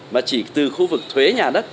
mà chỉ từ khu vực thuế nhà đất